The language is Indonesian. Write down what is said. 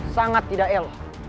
sangat tidak elo